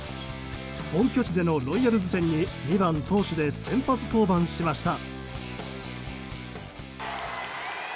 本拠地でのロイヤルズ戦に２番投手で先発登板しました。